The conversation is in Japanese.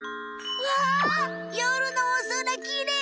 うわよるのおそらきれい！